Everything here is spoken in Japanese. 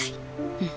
うん。